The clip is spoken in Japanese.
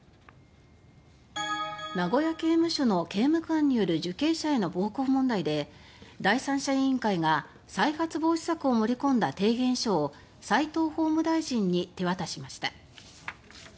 名古屋刑務所の刑務官による受刑者への暴行問題で第三者委員会が再発防止策を盛り込んだ提言書を斎藤法務大臣に手渡しました。